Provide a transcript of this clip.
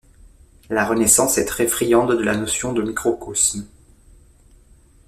La Renaissance est très friande de la notion de microcosme.